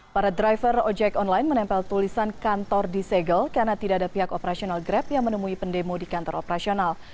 para driver ojek online menempel tulisan kantor di segel karena tidak ada pihak operasional grab yang menemui pendemo di kantor operasional